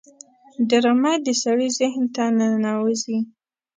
ډرامه د سړي ذهن ته ننوزي